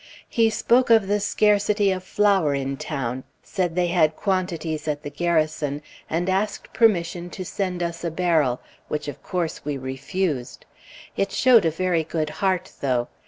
He spoke of the scarcity of flour in town; said they had quantities at the Garrison, and asked permission to send us a barrel, which of course we refused. It showed a very good heart, though.